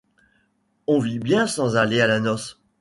On vit bien sans aller à la noce.